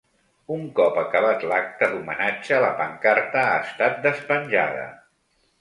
Un cop acabat l’acte d’homenatge, la pancarta ha estat despenjada.